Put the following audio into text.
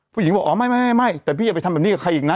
ผู้หญิงบอกอ๋อไม่แต่พี่อย่าไปทำแบบนี้กับใครอีกนะ